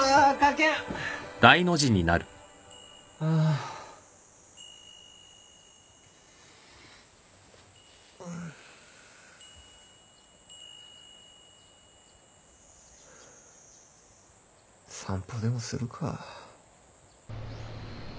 散歩でもするか。